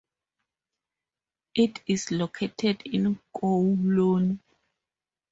It is located in Kowloon.